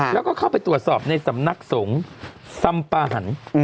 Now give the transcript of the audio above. แล้วก็เข้าไปตรวจสอบในสำนักสงฆ์สำปาหัน